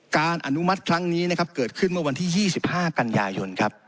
อนุมัติครั้งนี้นะครับเกิดขึ้นเมื่อวันที่๒๕กันยายนครับ